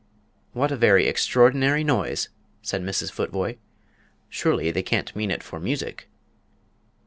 "What a very extraordinary noise!" said Mrs. Futvoye; "surely they can't mean it for music?"